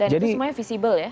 dan itu semuanya visible ya